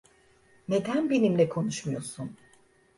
Neden benimle konuşmuyorsun?